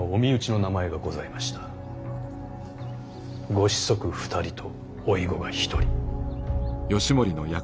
ご子息２人と甥御が１人。